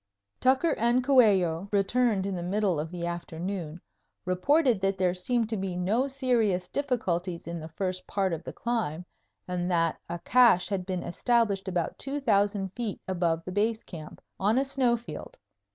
Tucker and Coello returned in the middle of the afternoon, reported that there seemed to be no serious difficulties in the first part of the climb and that a cache had been established about 2000 feet above the Base Camp, on a snow field.